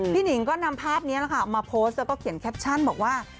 หนิงก็นำภาพนี้นะคะมาโพสต์แล้วก็เขียนแคปชั่นบอกว่า